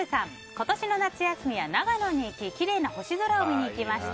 今年の夏休みは長野に行ききれいな星空を見に行きました。